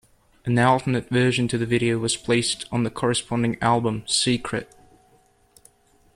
An alternate version to the video was placed on the corresponding album, secret.